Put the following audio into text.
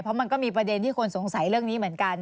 เพราะมันก็มีประเด็นที่คนสงสัยเรื่องนี้เหมือนกัน